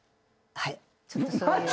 はい。